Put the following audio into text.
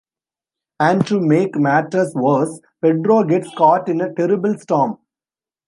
And to make matters worse, Pedro gets caught in a terrible storm!